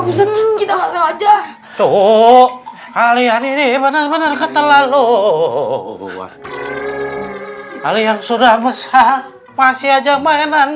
maaf kita aja tuh kalian ini bener bener ketelaluan kalian sudah besar masih aja mainan